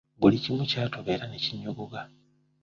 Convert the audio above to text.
Buli kimu kyatoba era ne kinyogoga.